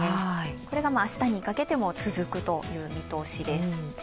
これが明日にかけて続くという見通しです。